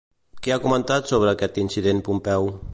Què ha comentat sobre aquest incident Pompeo?